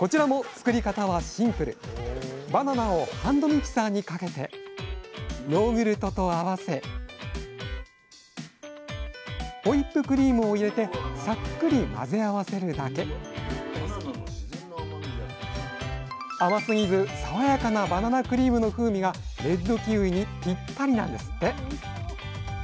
バナナをハンドミキサーにかけてヨーグルトと合わせホイップクリームを入れてさっくり混ぜ合わせるだけ甘すぎず爽やかなバナナクリームの風味がレッドキウイにぴったりなんですって。